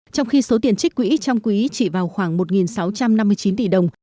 trong khi số tiền trích quỹ trong quý chỉ vào khoảng một sáu trăm năm mươi chín tỷ đồng